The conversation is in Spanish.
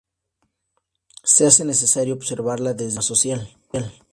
Se hace necesario observarla desde una rama social.